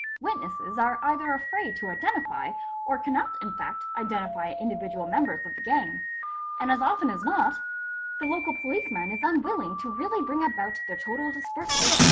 Witnesses are either afraid to identify or cannot in fact identify individual members of the gang, and as often as not the local policeman is unwilling to really bring about their total dispersal.